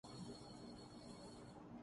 بچے کی ولادت کی خبروں پر شعیب ملک کی وضاحت